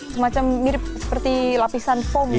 semacam mirip seperti lapisan foam ya